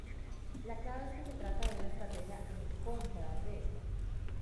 La clave es que se trata de una estrategia "en contra de".